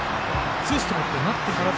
ツーストライクとなってから。